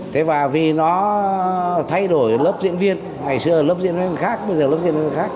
thế và vì nó thay đổi lớp diễn viên ngày xưa là lớp diễn viên khác bây giờ lớp diễn khác